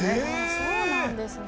そうなんですね。